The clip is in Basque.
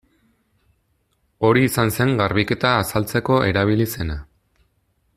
Hori izan zen garbiketa azaltzeko erabili zena.